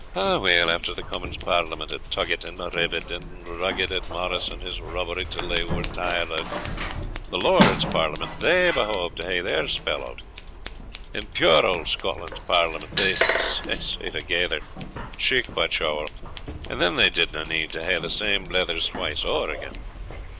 Aweel, after the Commons' Parliament had tuggit, and rived, and rugged at Morris and his rubbery till they were tired o't, the Lords' Parliament they behoved to hae their spell o't. In puir auld Scotland's Parliament they a' sate thegither, cheek by choul, and than they didna need to hae the same blethers twice ower again.